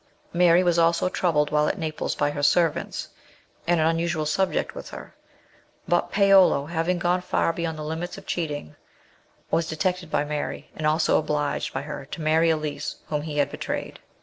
Mary was also troubled while at Naples by her ser vants, an unusual subject with her; but Paolo, having gone far beyond the limits of cheating, was detected by Mary, and also obliged by her to marry Elise, whom he had betrayed.